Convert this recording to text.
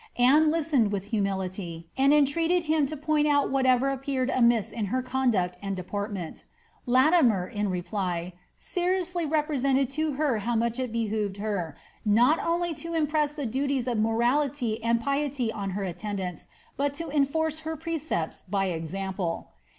Anne listened with humility, and entreated him to point out whatever appeared amiss in her conduct and deportment Latimer, in reply, seriously represented to her how much it behoved her, not only to impress the duties of morality and piety on her attendants, but to enforce her piecepts by example.